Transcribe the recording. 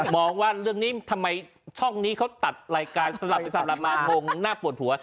บอกว่าเรื่องนี้ทำไมช่องนี้เขาตัดรายการสลับไปสลับมางงหน้าปวดหัว